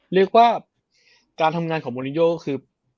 เรียกว่าการทำงานของโมนิโยคือ